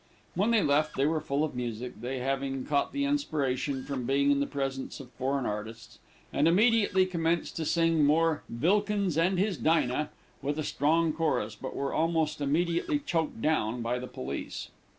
When they left they were full of music, they having caught the inspiration from being in the presence of foreign artists, and immediately commenced to sing once more "Vilikins and his Dinah," with a strong chorus, but were almost immediately choked down by the police.